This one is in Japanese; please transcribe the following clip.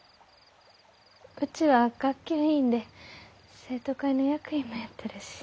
うちは学級委員で生徒会の役員もやってるし。